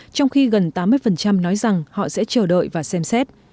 trong khi gần tám mươi nói rằng họ sẽ chờ đợi và xem xét